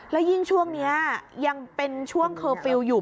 แล้วยิ่งช่วงนี้ยังเป็นช่วงเคอร์ฟิลล์อยู่